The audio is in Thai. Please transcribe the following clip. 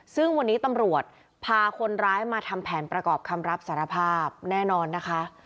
ซึ่งวันนี้ตำรวจพาคนร้ายมาทำแผนประกอบคำรับสารภาพแน่นอนนะคะ